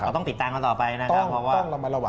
ก็ต้องปิดตังค์ต่อไปนะครับ